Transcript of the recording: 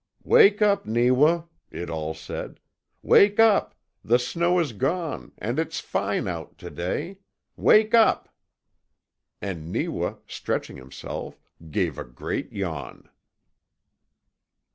"Wake up, Neewa," it all said. "Wake up! The snow is gone, and it's fine out to day. WAKE UP!" And Neewa, stretching himself, gave a great yawn.